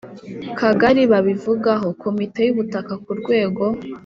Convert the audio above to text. Kagali babivugaho Komite y ubutaka ku rwego